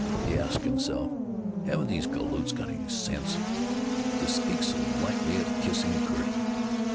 He asked himself, "Haven't these galoots got any sense?" To speak so lightly of kissing Gertie!